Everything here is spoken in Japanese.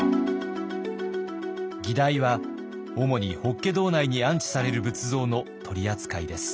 議題は主に法華堂内に安置される仏像の取り扱いです。